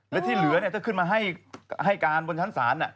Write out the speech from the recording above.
และที่เหลือถ้าขึ้นมาให้การบนชั้นศาล